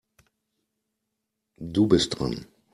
Du bist dran.